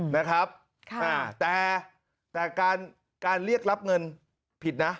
นะครับค่ะแต่แต่การการเรียกรับเงินผิดนะ